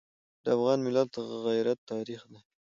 د افغان ملت غیرت تاریخي دی.